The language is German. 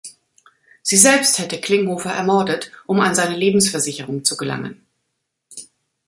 Sie selbst hätte Klinghoffer ermordet, um an seine Lebensversicherung zu gelangen.